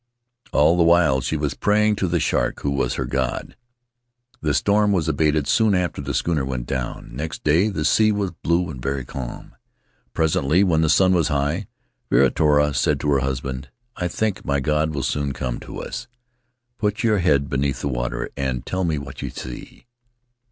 All the while she was praying to the shark who was her god. The storm had abated soon after the schooner went down; next day the sea was blue and very calm. Presently, when the sun was high, Viritoa said to her husband, 'I think my god will soon come to us; put your head beneath the water and tell me what you see.'